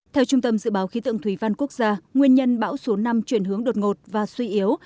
theo trung tâm dự báo khí tượng thủy văn quốc gia nguyên nhân bão số năm chuyển hướng đột ngột và suy yếu